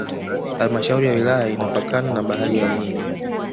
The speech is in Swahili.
Halmashauri ya wilaya inapakana na Bahari ya Hindi